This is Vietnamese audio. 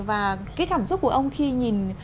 và cái cảm xúc của ông khi nhìn